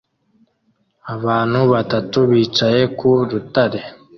Abantu batatu bicaye ku rutare